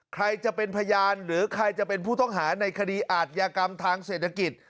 ใครจะเป็นพยานหรือใครจะเป็นผู้ต้องหาในคดีอาทยากรรมทางเศรษฐกิจ